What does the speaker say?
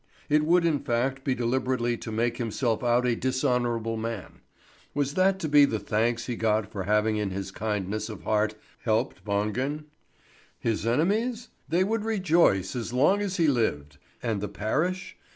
It would in fact be deliberately to make himself out a dishonourable man. Was that too to be the thanks he got for having in his kindness of heart helped Wangen? His enemies? They would rejoice as long as he lived. And the parish?